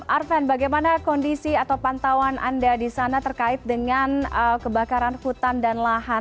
arven bagaimana kondisi atau pantauan anda di sana terkait dengan kebakaran hutan dan lahan